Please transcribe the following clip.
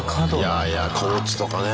いやいやコーチとかね